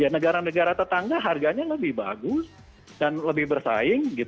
negara negara tetangga harganya lebih bagus dan lebih bersaing